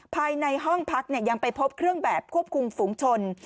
ภายในห้องพักยังไปพบเครื่องแบบควบคุมฝุงชน